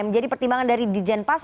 menjadi pertimbangan dari dijenpas